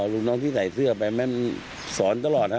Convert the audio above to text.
ลูกน้องที่ใส่เสื้อไปแม่นสอนตลอดฮะ